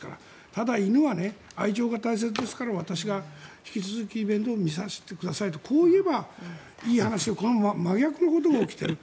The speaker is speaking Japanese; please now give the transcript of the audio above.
ただ犬は愛情が大切ですから私が引き続き面倒を見させてくださいとこう言えばいい話を真逆のことが起きている。